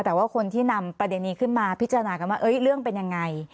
แต่ว่าคนที่นำประเด็นนี้ขึ้นมาพิจารณากันว่าเรื่องเป็นยังไง